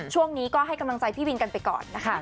ช่วงนี้ก็ให้กำลังใจพี่วินกันไปก่อนนะคะ